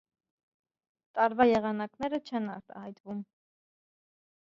Տարվա եղանակները չեն արտահայտվում։